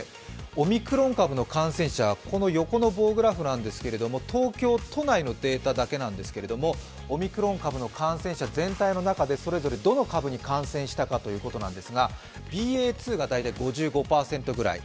オミクロン株の感染者、横の棒グラフなんですけど、東京都内のデータだけなんですけれども、オミクロン株の感染者全体の中でそれぞれがどの株に感染したかということですがＢＡ．２が大体５５％ぐらい。